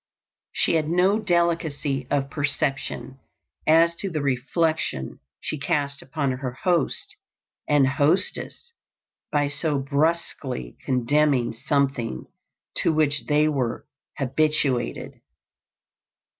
She had no delicacy of perception as to the reflection she cast upon her host and hostess by so brusquely condemning something to which they were habituated.